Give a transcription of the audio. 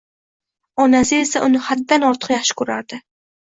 Onasi esa uni haddan ortiq yaxshi ko`rardi